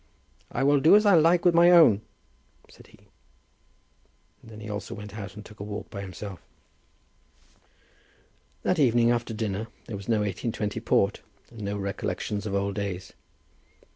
"I will do as I like with my own," said he. And then he also went out and took a walk by himself. That evening after dinner, there was no 1820 port, and no recollections of old days.